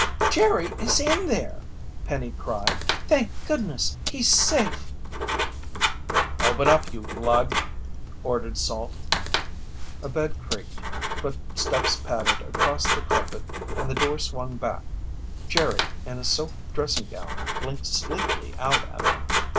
"Jerry is in there!" Penny cried. "Thank goodness, he's safe!" "Open up, you lug!" ordered Salt. A bed creaked, footsteps padded across the carpet and the door swung back. Jerry, in silk dressing gown, blinked sleepily out at them.